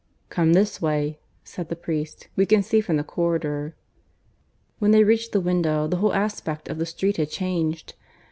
"Come this way," said the priest. "We can see from the corridor." When they reached the window the whole aspect of the street had changed.